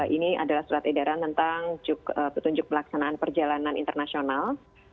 ini adalah surat edaran tentang petunjuk pelaksanaan perjalanan internasional